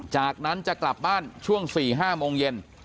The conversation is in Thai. จากนั้นจะกลับบ้านช่วง๔๕โมงเย็น